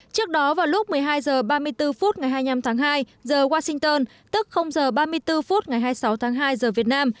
trước đó vào lúc một mươi hai h ba mươi bốn phút ngày hai mươi năm tháng hai giờ washington tức h ba mươi bốn phút ngày hai mươi sáu tháng hai giờ việt nam